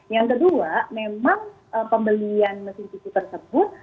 yang kedua memang pembelian mesin susu tersebut